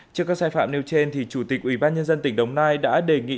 trước các sai phạm nêu trên chủ tịch ủy ban nhân dân tỉnh đồng nai đã đề nghị